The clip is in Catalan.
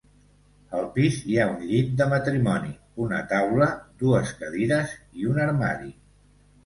Al pis hi ha un llit de matrimoni, una taula, dues cadires i un armari.